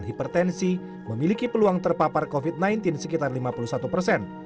hipertensi memiliki peluang terpapar covid sembilan belas sekitar lima puluh satu persen